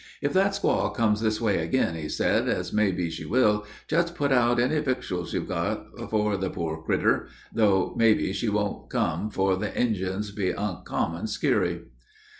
"If that squaw comes this way agin," he said, "as may be she will, just put out any victuals you've a got for the poor crittur; though may be she wont come, for they Injins be onkimmon skeary."